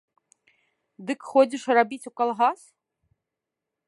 Дык ходзіш рабіць у калгас?